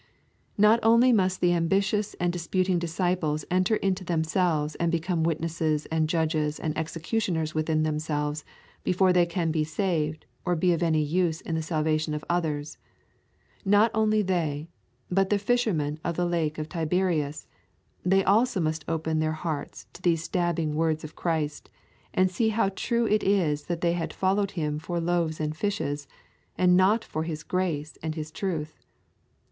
Not only must the ambitious and disputing disciples enter into themselves and become witnesses and judges and executioners within themselves before they can be saved or be of any use in the salvation of others not only they, but the fishermen of the Lake of Tiberias, they also must open their hearts to these stabbing words of Christ, and see how true it is that they had followed Him for loaves and fishes, and not for His grace and His truth.